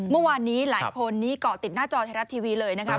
เมื่อวานนี้หลายคนนี้เกาะติดหน้าจอไทยรัฐทีวีเลยนะครับ